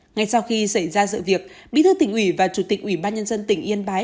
ngay sau khi xảy ra sự việc bí thư tỉnh ủy và chủ tịch ủy ban nhân dân tỉnh yên bái